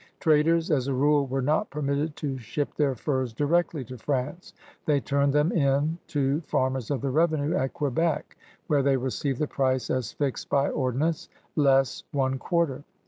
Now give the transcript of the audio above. Traders as a rule were not permitted to ship their furs directly to France. They turned them in to farmers of the revenue at Quebec, where they received the price as fixed by ordinance, less one quarter.